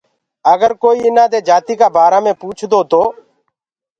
اَگر ڪوئيٚ ايٚنآ دي جاتيٚ ڪآ بآرآ مي پوٚڇدو تو۔